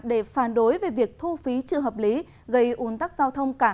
để phản đối về việc thu phí chưa hợp lý gây ủn tắc giao thông cả hai trăm linh người